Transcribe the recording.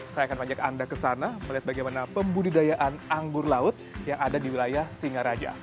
saya akan mengajak anda ke sana melihat bagaimana pembudidayaan anggur laut yang ada di wilayah singaraja